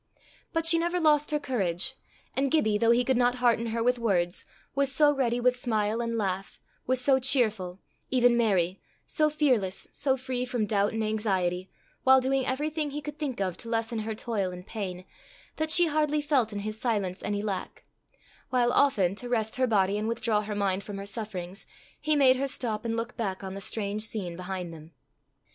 But she never lost her courage, and Gibbie, though he could not hearten her with words, was so ready with smile and laugh, was so cheerful even merry, so fearless, so free from doubt and anxiety, while doing everything he could think of to lessen her toil and pain, that she hardly felt in his silence any lack; while often, to rest her body, and withdraw her mind from her sufferings, he made her stop and look back on the strange scene behind them.